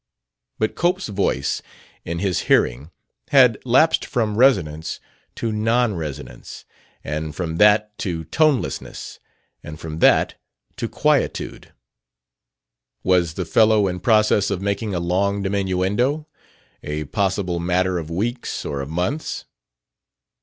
But Cope's voice, in his hearing, had lapsed from resonance to non resonance, and from that to tonelessness, and from that to quietude.... Was the fellow in process of making a long diminuendo a possible matter of weeks or of months?